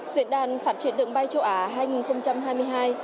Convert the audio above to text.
diễn đàn phát triển đường bay châu á